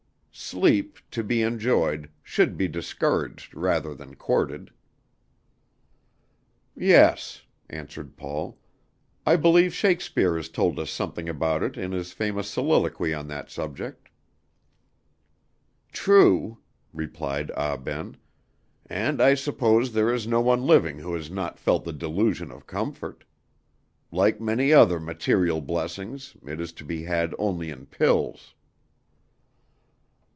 Sleep, to be enjoyed, should be discouraged rather than courted." "Yes," answered Paul, "I believe Shakespeare has told us something about it in his famous soliloquy on that subject." "True," replied Ah Ben, "and I suppose there is no one living who has not felt the delusion of comfort. Like many other material blessings, it is to be had only in pills."